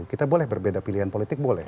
kita boleh berbeda pilihan politik boleh